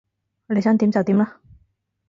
你想點就點啦